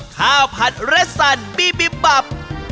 ข้าวผัดเรสสันบีบีบับ